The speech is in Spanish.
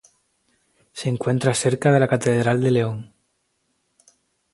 Se encuentra cerca de La Catedral de León.